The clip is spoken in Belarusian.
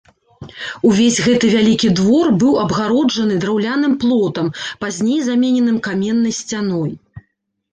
Увесь гэты вялікі двор быў абгароджаны драўляным плотам, пазней замененым каменнай сцяной.